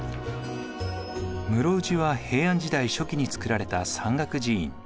室生寺は平安時代初期につくられた山岳寺院。